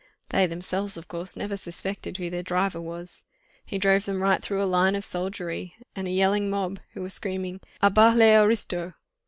They, themselves, of course, never suspected who their driver was. He drove them right through a line of soldiery and a yelling mob, who were screaming, 'À bas les aristos!